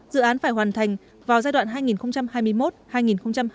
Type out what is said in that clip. dự án phải hoàn thành vào giai đoạn hai nghìn hai mươi một hai nghìn hai mươi năm